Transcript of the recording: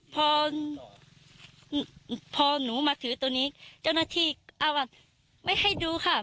พอพอหนูมาถือตัวนี้เจ้าหน้าที่เอาไม่ให้ดูค่ะ